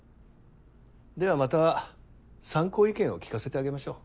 ではまた参考意見を聞かせてあげましょう。